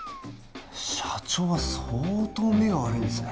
社長は相当目が悪いんですね